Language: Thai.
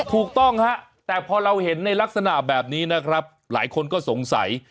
ถูกต้องฮะแต่พอเราเห็นในลักษณะแบบนี้นะครับหลายคนก็สงสัย